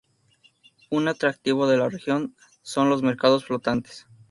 Un atractivo de la región son los mercados flotantes.